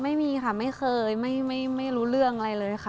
ไม่มีค่ะไม่เคยไม่รู้เรื่องอะไรเลยค่ะ